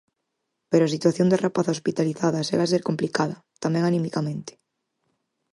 Pero a situación da rapaza hospitalizada segue a ser complicada, tamén animicamente.